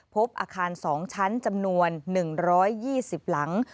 พบอาคาร๒ชั้นจำนวน๑๒๐หลัง